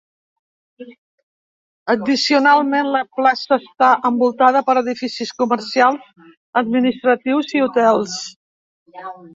Addicionalment, la plaça està envoltada per edificis comercials, administratius i hotels.